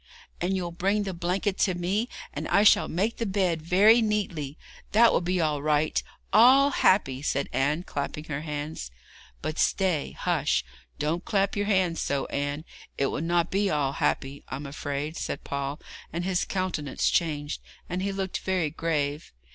'And you'll bring the blanket to me, and I shall make the bed very neatly. That will be all right all happy!' said Anne, clapping her hands. 'But stay! Hush! don't clap your hands so, Anne. It will not be all happy, I'm afraid,' said Paul, and his countenance changed, and he looked very grave.